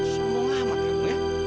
semua lah makamu ya